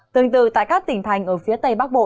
tương tự tại các tỉnh thành ở phía tây bắc bộ